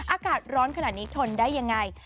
อากาศร้อนขนาดนี้ทนได้ยังไง